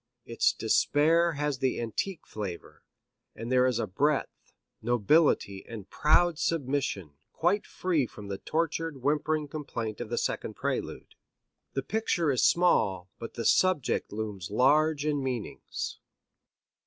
Its despair has the antique flavor, and there is a breadth, nobility and proud submission quite free from the tortured, whimpering complaint of the second prelude. The picture is small, but the subject looms large in meanings.